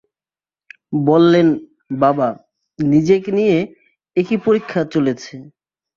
বললেন, বাবা, নিজেকে নিয়ে এ কী পরীক্ষা চলেছে।